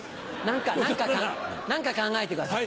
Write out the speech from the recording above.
何か何か考えてください。